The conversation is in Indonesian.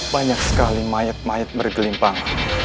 banyak sekali mayat mayat bergelimpang